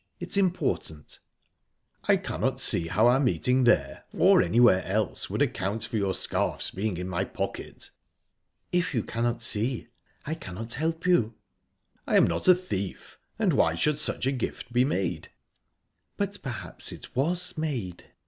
It's important." "I cannot see how our meeting there, or anywhere else, would account for your scarf's being in my pocket." "If you cannot see, I cannot help you." "I am not a thief, and why should such a gift by made?" "But perhaps it was made."